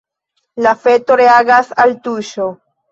La feto reagas al tuŝo.